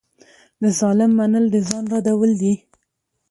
د ظالم منل د ځان ردول دي.